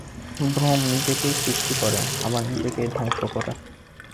ভ্রম নিজেকেই নিজে সৃষ্টি করে, আবার নিজেকেই নিজে ধ্বংস করে।